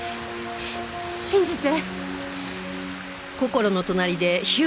信じて。